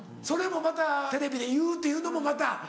それもまたテレビで言うっていうのもまた。